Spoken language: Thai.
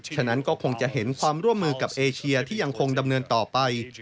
ฉะนั้นก็คงจะเห็นความร่วมมือกับเอเชียที่ยังคงดำเนินต่อไป